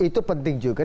itu penting juga